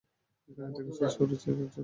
এখান থেকেই সে শুরু করেছিল।